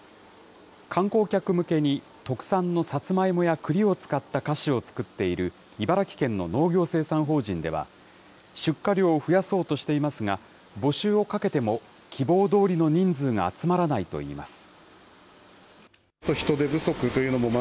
観光客向けに特産のさつまいもやくりを使った菓子を作っている茨城県の農業生産法人では、出荷量を増やそうとしていますが、募集をかけても希望どおりの人数が集まらないといいます。